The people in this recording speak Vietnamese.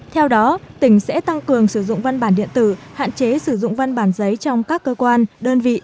theo đó tỉnh sẽ tăng cường sử dụng văn bản điện tử hạn chế sử dụng văn bản giấy trong các cơ quan đơn vị